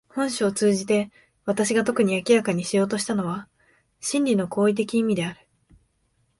本書を通じて私が特に明らかにしようとしたのは真理の行為的意味である。